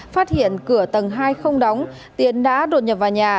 phát hiện cửa tầng hai không đóng tiến đã đột nhập vào nhà